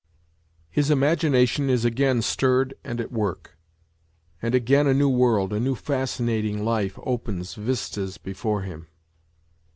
His imagination is again stirred and at work, and again a new world, a new fascinating life opens vistas before him.